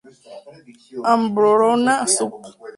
Альгология, Suppl.